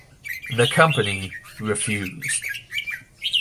The company refused.